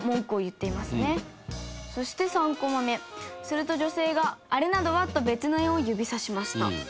すると女性が「あれなどは？」と別の絵を指さしました。